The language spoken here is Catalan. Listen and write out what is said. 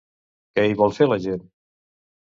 Què hi vol fer la gent?